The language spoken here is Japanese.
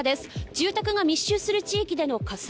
住宅が密集する地域での火災。